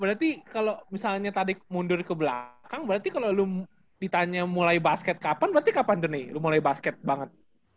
berarti kalau misalnya tadi mundur ke belakang berarti kalau lo ditanya mulai basket kapan berarti kapan tuh nih lo mulai basket banget